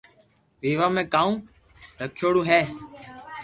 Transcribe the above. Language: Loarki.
ويوا ۾ ڪاو رکيآوڙو ھي